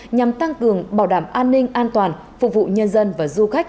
nhằm tăng cường bảo đảm an ninh an toàn phục vụ nhân dân và du khách